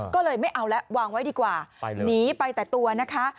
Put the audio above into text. ก็เลยไม่เอาแล้ววางไว้ดีกว่าหนีไปแต่ตัวนะคะ